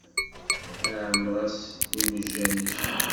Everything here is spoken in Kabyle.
Iɛemmeṛ-as imejjan-is.